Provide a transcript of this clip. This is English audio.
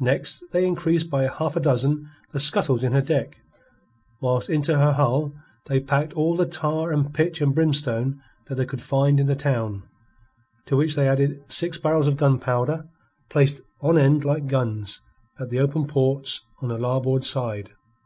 Next they increased by a half dozen the scuttles in her deck, whilst into her hull they packed all the tar and pitch and brimstone that they could find in the town, to which they added six barrels of gunpowder, placed on end like guns at the open ports on her larboard side.